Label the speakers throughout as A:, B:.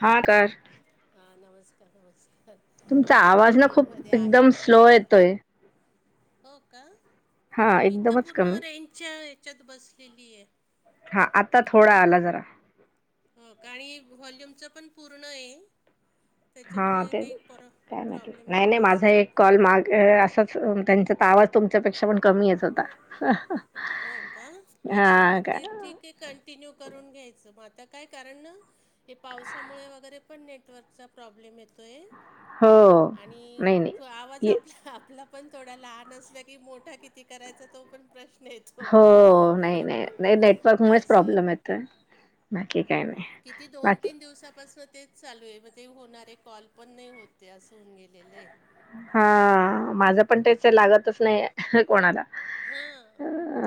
A: हा स [unintelligible]
B: हा नमस्कार नमस्कार
A: तुमचा
B: बरं
A: आवाज ना
B: रेंजमध्ये
A: खूप
B: आहे
A: एकदम
B: बा
A: स्लो येतोय.
B: हो का
A: हा
B: पण मी तर
A: एकदमच
B: पूर्ण
A: कमी
B: रेंजच्या ह्याच्यात बसलेली आहे
A: हा आता थोडा आला जरा
B: हो का आणि व्हॉल्यूमच पण पूर्ण आहे
A: हा
B: त्याच्यामुळे
A: ते
B: काही पर
A: काय नाही
B: प्रॉब्लेम
A: नाही
B: नको असं
A: माझा
B: बघ
A: एक कॉल माग असच त्यांचा तर आवाज तुमच्यापेक्षा पण कमी येत होता
B: हो का अच्छा
A: हा
B: मग
A: का
B: ते ठीक आहे कंटिन्यू करून घ्यायचं मग आता काय कारण हे पावसामुळे वगैरे पण नेटवर्कचा प्रॉब्लेम येतोय
A: हो
B: आणि
A: नाही
B: आवाज
A: नाही
B: आपला आपला पण थोडा लहान असल्या की मोठा किती करायचा तो पण प्रश्न येत ो
A: हो नाही नाही नाही नेटवर्क मुळेच
B: असस [unintelligible]
A: प्रॉब्लेम येतोय बाकी काही नाही.
B: किती दोन
A: बाकी
B: तीन दिवसापासन ते चालू आहे मग ते होणारे कॉल पण नाही होते अस होऊन गेलेले आहे
A: हा माझं पण तेच आहे लागतच नाही कोणाला
B: हा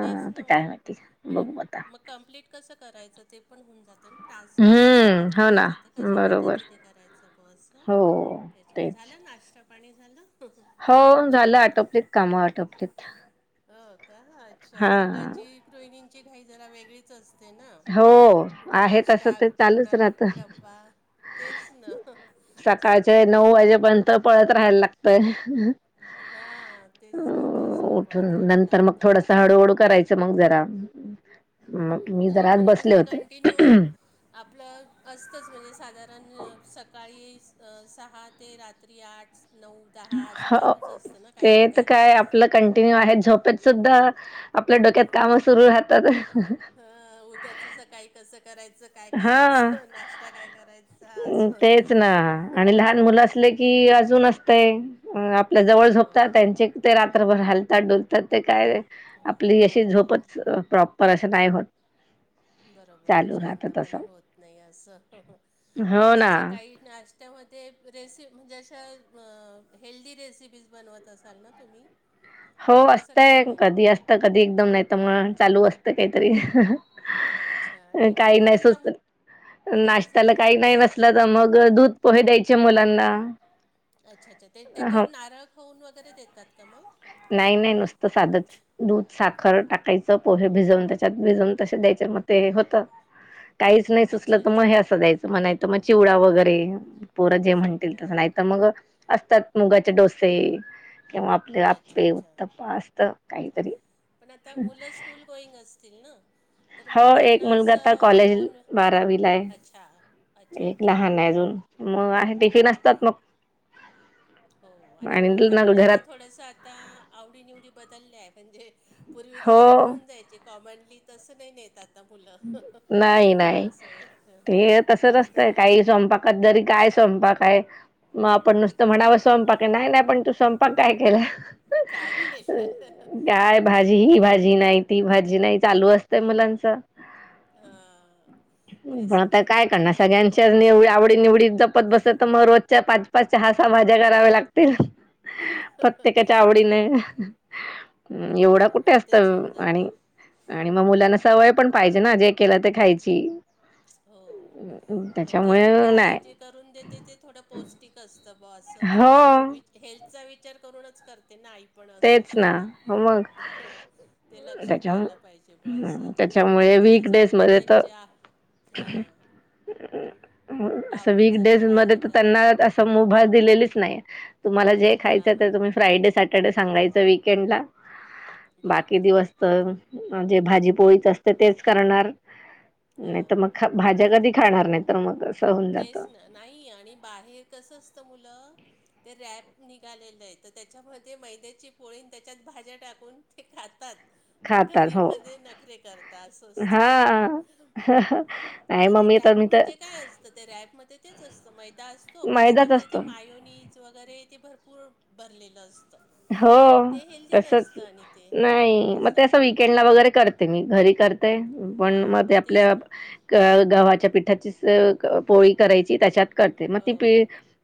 B: तेच
A: तर
B: ना
A: काय
B: मग
A: माहिती
B: आणि
A: बघू आता.
B: मग कंप्लीट कसं करायचं ते पण होऊन जातं टास्क जर
A: हम्म,
B: कम्प्लीट
A: हो ना,
B: करायचां तर कशा
A: बरोबर.
B: पद्धतीने करायचं बस
A: हो,
B: त्याच्यामुळे
A: तेच.
B: झालं नाश्ता पाणी झालं
A: हो झालं आटोपलीत काम आटोपलीत
B: हो का अच्छा
A: हां.
B: सकाळची गृहिणींगची घाई जरा वेगळीच ते ना
A: हो,
B: कुठं
A: आहे तसं
B: नाश्ता
A: ते
B: कुठे
A: चालूच
B: कोणाला
A: राहतं.
B: डब्बा तेच ना सतत
A: पाहिजे पर्यंत पळत राहायला लागतय
B: हा तेच ना तेच ना
A: उठून
B: पळत राहावं
A: नंतर मग
B: लागतं.
A: थोडस हळूहळू करायचं मग जरा मग
B: हम्म
A: मी
B: तरी
A: जरा आज
B: पण
A: बसले
B: म्हणजे
A: होते.
B: कंटिन्यू आपलं असतच म्हणजे साधारण सकाळी सहा ते रात्री आठ नऊ दहा असं चालूच असतं ना काही ना काही
A: आपल कंटिन्यू आहे झोपेत सुद्धा आपल्या डोक्यात काम सुरु राहतात
B: ह उद्याचं सकाळी कसं करायचं काय
A: हां.
B: करायचं नाश्ता काय करायचा असं
A: कि अजून असतेय आपल्या
B: हो
A: जवळ झोपतात
B: हो
A: त्यांचे ते रात्रभर हालतात डुलतात ते काय आपली अशी
B: हो
A: झोपच प्रॉपर अशी नाही होत
B: बरोबर आहे
A: चालू राहत असं
B: शांतपणे होत नाही अस
A: हो
B: तस
A: ना
B: सकाळी नाश्यामध्ये रेस म्हणजे अशा हेल्दी रेसिपी बनवत असाल ना तुम्ही
A: [inaudible] हो
B: की तसं काही
A: असतय
B: नाही
A: कधी असतं कधी एकदम नाही तर म चालू असतं काहीतरी
B: अच्छा
A: काही नाही
B: टिफिनला
A: सुचतात
B: मुलं द्यायचं
A: नाश्त्याला
B: तर मग
A: काही नाही
B: ते
A: नसल तर मग दूध पोहे द्यायचे मुलांना
B: अच्छा अच्छा ते
A: हो
B: त्याच्यावर नारळ खऊन वगैरे देतात का मग
A: नाही नाही नुसतं साधच दूध साखर टाकायचं पोहे भिजवून त्याच्यात भिजून तसे द्यायचे मग ते होत काहीच नाही सुचलं
B: अच्छा
A: तर मग
B: अच्छा
A: हे असं जा्यायचं म्हणायच मग चिवडा
B: हो
A: वगैरे पोर जे म्हणतील
B: सोपं
A: तसं नाही तर मग असतात मुगाचे डोसे किंवा आपले
B: अच्छा
A: आपे
B: अच्छा
A: उत्तप्पा असत काहीतरी
B: पईंग असतील ना तर
A: हो
B: मग
A: एक
B: त्यांना
A: मुलगा आता
B: असं
A: कॉलेज
B: दोन
A: बारावीला
B: अच्छा अच्छा
A: आहे एक
B: अच्छा
A: लहान आहे अजून मग आहे टिफिन
B: हम्म
A: असतात मग
B: हो आणि मोठ्या
A: ना
B: मुलांच
A: घरात
B: थोडस आता आवडीनिवडी बदललेय म्हणजे पूर्वी
A: हो
B: जसं घेऊन जायचे कॉमनली तसं नाही नेतात ता मुलं
A: नाही नाही
B: असं आहे काहीतरी
A: कदरी काय स्वयंपाकय मग आपण नुसतं म्हणावं स्वयंपाक नाही नाही पण तू स्वयंपाक काय केला
B: काय केलं
A: काय भाजी हि
B: बरोबर आहे
A: भाजी नाही ती भाजी नाही चालू असतेय मुलांच
B: हां
A: पण
B: तेच
A: आता
B: ना
A: काय करणार
B: म्हणजे
A: सगळ्यांच्या निव आवडी निवडी जपत बसत तर मग रोजच्या पाच पाच चहा सहा सहा भाज्या कराव्या लागतील प्रत्येकाच्या आवडीने
B: बरोबर आहे
A: एवढा
B: बरोबर
A: कुठे
B: आहे
A: असत
B: तेच होऊन
A: आणि
B: जातं
A: आणि मग मुलांना सवय पण पाहिजे ना जे केलं ते खायची
B: हो जे
A: त्याच्यामुळे
B: म्हणजे आई
A: नाही
B: जे करून देते ते थोडं पौष्टिक असतं भुआ असं म्हणजे
A: हो
B: विच हेल्थचा विचार करूनच करते ना पण असं
A: तेच
B: असतं ना
A: हो मग
B: ते लक्षात
A: त्याच्या
B: यायला पाहिजे बुआ असं मग
A: त्याच्यामुळे वीक
B: त्याच्यासाठी
A: डेज
B: मग
A: मध्ये तर
B: त्यांच्या हा
A: असं
B: आवडीच
A: वीकडेज
B: करा
A: मध्ये
B: हे
A: तर
B: करा
A: त्यांना असं मुभा दिलेलीच नाही तुम्हाला जे
B: हां
A: खायचय
B: हां
A: ते तुम्ही फ्रायडे साठी त्यांना सांगायचं वीकेंड ला
B: बरोबर
A: बाकी
B: आहे
A: दिवस तर
B: बरोबर
A: जे भाजी पोळीच असते तेच करणार
B: हो
A: नाही तर मग भाज्या
B: ते तर
A: कधी
B: आहे.
A: खाणार नाहीत. तर मग असं होऊन
B: तेच
A: जातं.
B: ना नाही आणि बाहेर कसं असतं मुलं ते रॅप निघालेलं आहे तर त्याच्यामध्ये मैद्याची पोळीन त्याच्यात भाज्या टाकून ते खातात पण
A: खातात
B: घरी
A: हो
B: मध्ये नखरे करता अस असतं
A: हा. नाही
B: आता
A: मग
B: ते
A: मी तर
B: रॅप
A: मी तर
B: म्हणजे काय? तर ते रॅपमध्ये तेच असतं मैदा असतो पण
A: मैदाच
B: त्याच्यामध्ये ते
A: असतो
B: मायोनी वगैरे ते भरपूर भरलेलं असतं
A: हो
B: ते हेल्दी
A: तसच
B: नसतं आणि ते
A: नाही मग
B: असं
A: तें वीकेंड ला वगैरे करते मी घरी करते पण
B: हां
A: मग ते
B: तेच
A: आपल्या
B: ना
A: अ गव्हाच्या पिठाचीचं पोळी करायची त्याच्यात करते मग
B: हो
A: ती प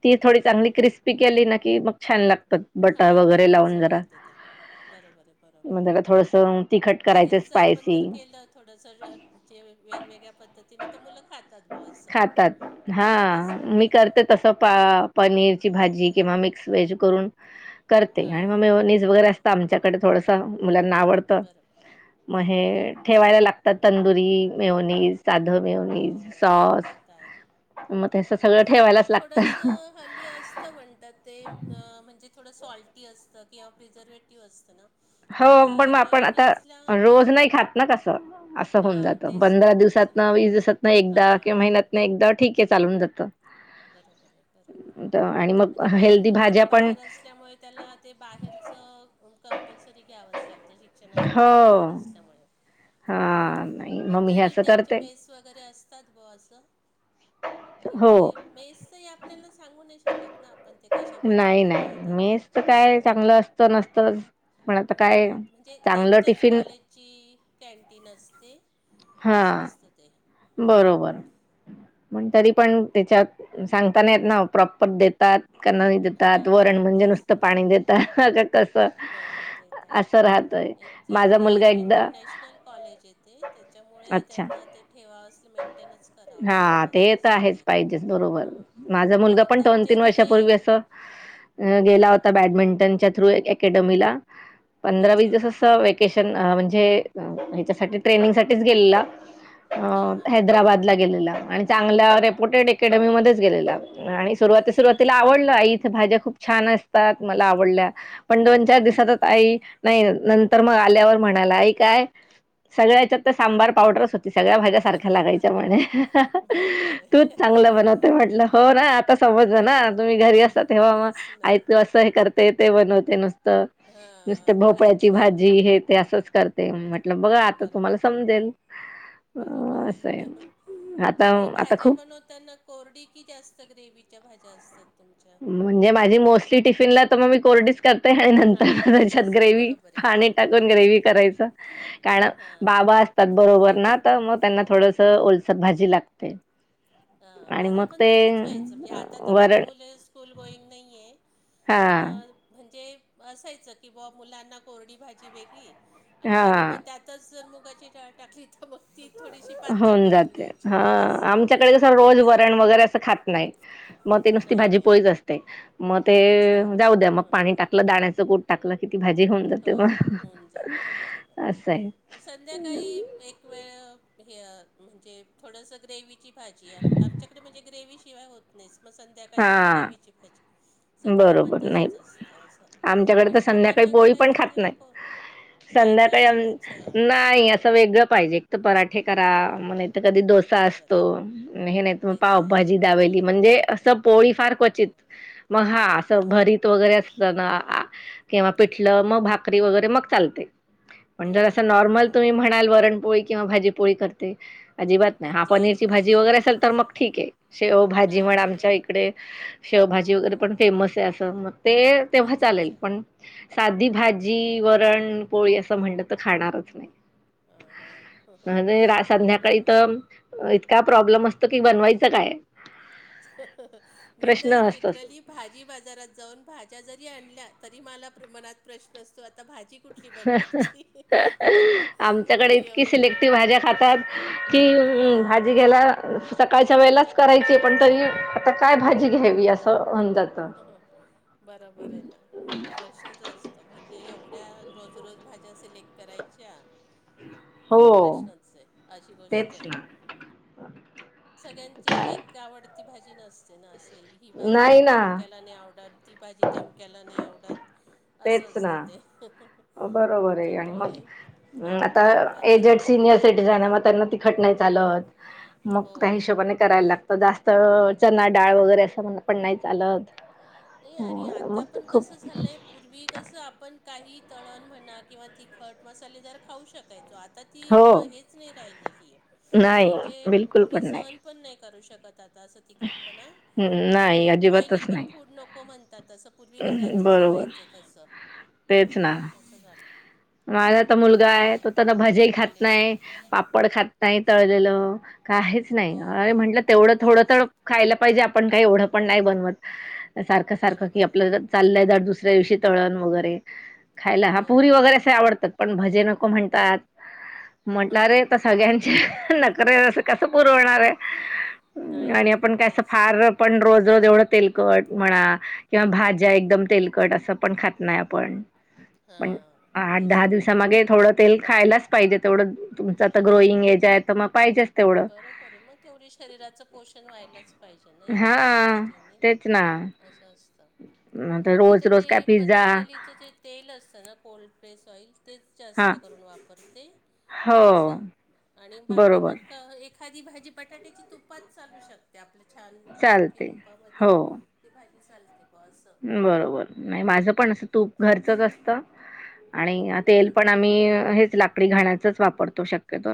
A: ती थोडी चांगली क्रिस्पी केली ना की मग छान लागतात बट
B: हा छान चव येते त्याला बरोबर आहे बरोबर
A: मग जरा
B: आहे
A: थोडस तिखट करायचं
B: बाहेरच आपण
A: स्पायसी
B: जर केलं थोडंसं ज म्हणजे वेगवेगळ्या पद्धतीने तर मुलं खातात बॉस
A: खातात हा मी करते तसं पा पनीरची भाजी किंवा मिक्स व्हेज करून करते आणि
B: हां
A: मेयोनीज वगैरे असतं
B: हां
A: आमच्यात तिकडं थोडंस मुलांना आवडतं
B: बरोबर
A: मग
B: बरोबर आहे.
A: हे ठेवायला लागतात तंदुरी मेयोनीज साधं
B: हो
A: मेयोनीज सॉस
B: ते तर आहे ते
A: मग तस सगळं ठेवायलाच लागतं.
B: खाली असतं म्हणतात ते म्हणजे थोडं सॉल्टी असतं किंवा प्रिझर्वेटिव्ह असतं ना
A: हो
B: आता
A: पण
B: हे
A: मग आपण आता
B: मेयोनीजला
A: रोज नाही खात ना कसं असं होऊन
B: हां
A: जात.
B: तेच ना
A: पंधरा
B: तेच
A: दिवसातन
B: ना.
A: वीस दिवसातन एकदा
B: हां
A: किंवा महिन्यातन एकदा ठीक आहे चालून जातं
B: बरोबर आहे बरोबर
A: आणि मग
B: आता माझा
A: हेल्दी
B: मुलगा तर
A: भाज्या पण
B: बाहेर असल्यामुळे, त्याला ते बाहेरचं कम्पलसरी घ्यावचं लागतं.
A: हो
B: शिक्षणासाठी बाहेर असल्यामुळे
A: हा नाही
B: पण
A: मग मी हे असं
B: त्यांचे
A: करते.
B: मेस वगैरे असतात बुवा असं
A: हो
B: मेसेच हे आपल्याला सांगू नाही शकत ना आपण ते कशा
A: नाही
B: पद्धतीने
A: नाही
B: देतात
A: मेस तर
B: बुवा
A: काय
B: असं
A: चांगलं असतं नसतंच. पण आता
B: हा
A: काय
B: म्हणजे
A: चांगलं
B: त्यांच्याच
A: टिफिन
B: कॉलेजची कॅन्टीन असते.
A: हा
B: असं असतं ते हम्म.
A: बरोबर पण तरी पण त्याच्यात सांगता नाही येत ना प्रॉपर देतात का नाही देतात वरण म्हणजे नुसतं पाणी देतात कसं
B: हा ते तर
A: असं राहतय
B: आहे
A: माझा
B: चांगले
A: मुलगा एकदा
B: इंटरनॅशनल कॉलेज ते त्याच्यामुळे त्यांना ते ठेवास
A: हा ते तर
B: ते
A: आहेच पाहिजेच बरोबर
B: हां
A: माझा मुलगा
B: कारण
A: पण दोन
B: त्यांच्या
A: तीन
B: इथं ते
A: वर्षापूर्वी असं अ गेला होता
B: हां
A: बॅडमिंटनच्या थ्रू अकॅडमीला पंधरा वीस
B: अच्छा
A: दिवस असं म्हणजे हच्यासाठी ट्रेनिंगसाठीच गेलेला
B: हां हां
A: गबादला गेलेला आणि चांगल्या रेप्युटेड अकॅडमीमध्येच गेलेला आणि सुरुवाती
B: अच्छा
A: सुरुवातीला
B: अच्छा
A: आवडलं आई इथं भाज्या खूप छान असतात मला आवडल्या पण दोन चार
B: हां हां
A: दिवसातच आई नाही नंतर मग आल्यावर म्हणाला आई काय सगळ्या हेच्यात तर सांबार पावडरच हो ती सगळ्या भाज्या सारख्या लागायच्या म्हणे
B: बरोबर
A: तूच
B: आहे
A: चांगलं बनवते
B: ब
A: म्हटलं हो ना आ ता समजलं ना तुम्ही घरी असता तेव्हा मग
B: तेच ना
A: आई कसं हे कर ते ते बनवते नुसतं. नुसतं
B: हां
A: भोपळ्याची
B: आईच्या
A: भाजी हे ते असच कर ते म्हटलं बघा आता तुम्हाला
B: बरोबर आहे
A: समजेल. अ
B: बरोबर आहे
A: असं
B: अ ह
A: आता
B: तुम्ही
A: आता
B: भाज्या
A: खूप
B: पण धुताना कोरडी की जास्त ग्रेवीच्या भाज्या असतात तुमच्या
A: म्हणजे माझी मोस्टली टिफिनला तर मग मी कोरडीच करते आणि
B: हां
A: नंतर
B: कोरडीच
A: त्याच्यात
B: असते
A: ग्रेवी
B: बरोबर आहे
A: पाणी टाकून ग्रेवी करायचं. काय ना
B: हां
A: बाबा
B: हां
A: असतात बरोबर ना तर मग त्यांना
B: हो
A: थोडस ओलसर भाजी लागते.
B: अ
A: आणि
B: माझं
A: मग
B: पण
A: ते
B: तसच व्हायचं म्हणजे आता तर माझे
A: वरण
B: मुलं स्कूल गोईंग नाहीए.
A: हा
B: पण म्हणजे असायचं किंवा मुलांना कोरडी भाजी वेगळी आणि कधी
A: हा
B: मग त्यातच मुगाची डाळ टाकली तर मग ती थोडीशी पातळ करून द्यायची ब असं
A: कस रोज
B: होऊन
A: वरण
B: जायचं
A: वगैरे असं खात नाही मग ते नुसती भाजी
B: नाही अ,
A: पोळीच असते. सते मग ते
B: अच्छा
A: जाऊ द्या मग
B: हां
A: पाणी
B: हां
A: टाकलं दाण्याचं कुठ टाकल की ती भाजी होऊन
B: हो
A: जाते मग
B: होऊन जाते बरोबर.
A: असं हाय.
B: संध्याकाळी! एक वेळ ह्य म्हणजे थोडसं ग्रेवीची भाजी आम आमच्याकडे म्हणजे ग्रेवी शिवाय होत नाहीस मग संध्याकाळी
A: हा
B: ग्रेव्हीची भाजी सकाळी पण
A: बरोबर नाही
B: तसंच असतं असं
A: आमच्याकडे तर
B: आणि
A: संध्याकाळी
B: मुलांना
A: पोळी पण
B: करायची
A: खात
B: तेिंवा
A: नाही
B: कोर नाही का
A: संध्याकाळी आण
B: अच्छा
A: नाही असं वेगळं पाहिजे एक तर पराठे करा
B: हो
A: म्हण कधी डोस सा
B: बरोबर
A: असतो
B: आहे
A: हे नाही तुम्ही
B: ते तर
A: पाव
B: आहे
A: भाजी दाबेली म्हणजे असं पोळी फार क्वचित मग हा
B: हां
A: असं भरीत वगैरे असत ना किंवा पिठलं मग भाकरी वगैरे मग चालते पण जर अस
B: हां बरोबर
A: नॉर्मल
B: आहे
A: तुम्ही म्हणाल वरणपोळी किंवा भाजीपोळी कर ते
B: हां
A: अजिबात नाही
B: ते
A: हा
B: चेंज
A: पनीरची भाजी
B: पाहिजे ना
A: वगैरे असेल तर मग
B: थोडंसं
A: ठीक आहे. शेवभाजी
B: हां
A: म्हण
B: हां
A: आमच्या इकडे शेवभाजी
B: हो
A: वगैरे पण फेमस हाय अस मग ते तेव्हा
B: अच्छा
A: चालेल
B: अच्छा
A: पण
B: हां
A: साधी
B: हां
A: भाजी वरण पोळी असं म्हणलं तर खाणारच नाही
B: हां हां
A: म्हणजे रा
B: बरोबर
A: संध्याकाळी
B: आहे ना
A: तर इतका प्रॉब्लेम असतो की बनवायचं काय?
B: मी तर
A: प्रश्न असतोच.
B: लिटरली भाजी बाजारात जाऊन भाज्या जरी आणल्या तरी मला मनात प्रश्न असतो आता भाजी कुठली बनवायची?
A: आमच्याकडे इतकी
B: एवढी
A: सिलेक्टिव
B: गंमत
A: भाज्या खातात की भाजी
B: हां.
A: घ्यायला सकाळच्या वेळेलाच करायची पण तरी आता काय भाजी घ्यावी असं होऊन जातं.
B: हो, बरोबर आहे ना! प्रश्नच असतो म्हणजे एवढ्या रोज रोज भाज्या सिलेक्ट करायच्या
A: ह [unintelligible]
B: म्हणजे प्रश्नच हाय अशी गोष्ट हाय.
A: ना
B: सगळ्यांची
A: काय
B: एक आवडती भाजी नसते ना असे ही भाजी
A: नाही
B: आहे.
A: ना
B: आणि आवडत ती भाजी तमक्याला नाही आवडत असं
A: तेच
B: असतं
A: ना
B: ते.
A: बरोबर आहे आणि
B: त्याच्यामुळे
A: मग
B: आप
A: आता एजड
B: पंचायत
A: सिनियर एक एक जुन्या म्हाताऱ्यांना तिखट नाही चालत.
B: हो
A: करायला लागत जास्त चना डाळ वगैरे असं म्हण पण नाही चालत.
B: नाही आणि
A: हो
B: आता
A: मग
B: पण
A: खूप
B: कसं झालंय पूर्वी कसं आपण काही तळण म्हणा किंवा तिखट मसालेदार खाऊ शकत. आता ती
A: हो
B: प हीच नाही राहिली ही. म्हणजे कोणी सहन पण नाही करू शकत आता अस तिखटपणा
A: हम्म नाही
B: आणि ऑइली
A: अजिबातच
B: पण
A: नाही
B: फूड नको म्हणतात स पूर्वी घरात जसं
A: बरोबर
B: व्हायच तस
A: तेच ना
B: असं झालं.
A: माझा
B: एक
A: तर मुलगा
B: मिनिट
A: हाय तो तर भाज्या ही खात
B: कॉलेज
A: नाही. पापड खात नाही तळलेलं काहीच
B: हो
A: नाही
B: हो
A: अरे म्हटलं तेवढं थोडं
B: बरोबर
A: तर
B: आहे
A: खायला पाहिजे आपण काही एवढं पण नाही बनवत. सारखं सारखं कि
B: बरोबर आहे
A: आपलं चाललंय दंड दुसऱ्या दिवशी तळण वगैरे खायला हा पुरी
B: हो
A: वगैरे असे आवडतात पण भजे नको म्हणतात. म्हटलं
B: हां
A: अरे
B: हां
A: आता
B: हां
A: सगळ्यांचे नखरे अस कसं पुरवणार ये.
B: नाही
A: आणि
B: ना
A: आपण काय असं
B: तेच ना
A: फार पण रोज रोज एवढं तेलकट म्हणा किंवा भाज्या एकदम तेलकट असं पण खात नाय आपण पण
B: हा
A: आठ दहा दिवसा मागे थोडं तेल खायलाच पाहिजे तेवढं तुमचं आता ग्रोईंग एज आहे त म पाहिजेच तेवढं.
B: बरोबरय मग केवढी शरीराचं पोषण व्हायलाच पाहिजे ना या सगळ्या
A: हा
B: गोष्टींनी
A: तेच ना
B: असं असत
A: तर
B: मी त
A: रोज रोज काय
B: ते
A: पिझ्झा
B: पतंजलीच त ते तेल असतं ना कोल्ड फ्रेश ऑइल तेच
A: हा
B: जास्त करून वापरते
A: हो
B: असं आणि बाकी मग
A: बरोबर
B: अ एखादी भाजी बटाट्याची तुपात चालू शक ते आपलं छान गावठी
A: चालते
B: तुपामध्ये
A: हो
B: ते भाजी चालते बुआ अस
A: बरोबर नाही माझं पण असं तूप घरचच असत आणि आ तेल
B: एक
A: पण आम्ही
B: मिनिट हं.
A: हेच लाकडी घाण्याचच वापरतो शक्यतो.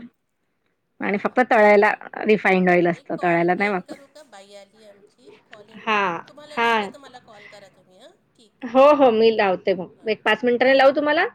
B: हा
A: आणि
B: हां
A: फक्त
B: एक
A: तळायला
B: मिनिट
A: रिफाईंड ऑइल
B: ते एक
A: असतं
B: कॉल
A: तळायला नाही
B: एंड
A: वापरत.
B: करू का बाई आली आमची कॉल एंड
A: हा
B: करू तुम्हाला लागलं
A: हा
B: त मला कॉल करा तुम्ही हां ठीक आहे
A: हो
B: बाय.
A: हो मी लावते म
B: हां
A: एक पाच मिनिटानी
B: हो
A: लावू
B: हो
A: तुम्हाला